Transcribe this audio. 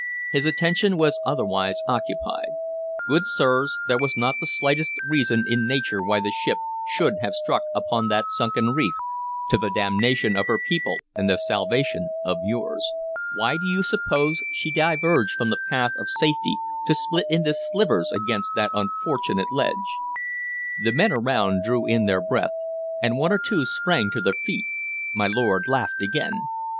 His attention was otherwise occupied. Good sirs, there was not the slightest reason in nature why the ship should have struck upon that sunken reef, to the damnation of her people and the salvation of yours. Why do you suppose she diverged from the path of safety to split into slivers against that fortunate ledge?" The men around drew in their breath, and one or two sprang to their feet. My lord laughed again.